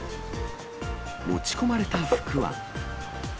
持ち込まれた服は。